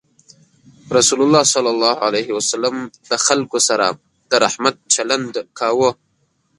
رسول الله صلى الله عليه وسلم د خلکو سره د رحمت چلند کاوه.